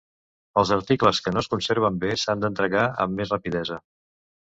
Els articles que no es conserven bé s'han d'entregar amb més rapidesa.